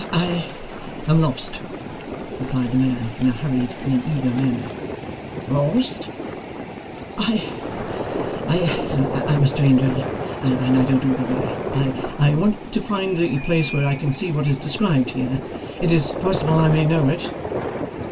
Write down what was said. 'I am lost!' replied the man, in a hurried and an eager manner. 'Lost?' 'I I am a stranger, and don't know the way. I I want to find the place where I can see what is described here. It is possible I may know it.